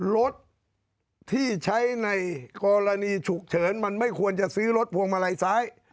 รถที่ใช้ในกรณีฉุกเฉินมันไม่ควรจะซื้อรถพวงมาลัยซ้าย